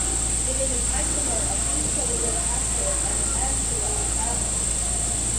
It is an isomer of "p"-toluic acid and "m"-toluic acid.